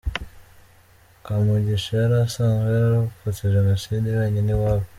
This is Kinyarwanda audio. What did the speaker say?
Kamugisha yari asanzwe yararokotse Jenoside wenyine iwabo.